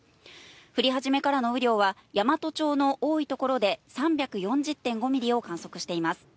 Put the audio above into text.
降り始めからの雨量は、山都町の多い所で３４０．５ミリを観測しています。